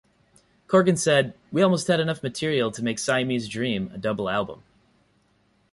Corgan said, "We almost had enough material to make "Siamese Dream" a double album.